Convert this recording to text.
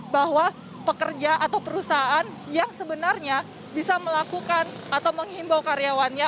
bahwa pekerja atau perusahaan yang sebenarnya bisa melakukan atau menghimbau karyawannya